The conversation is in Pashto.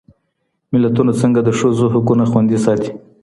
ملتونه څنګه د ښځو حقونه خوندي ساتي؟